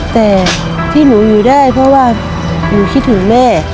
แต่ที่หนูอยู่ได้เพราะว่าหนูคิดถึงแม่